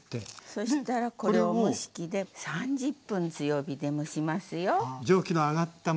そしたらこれを蒸し器で３０分強火で蒸しますよ。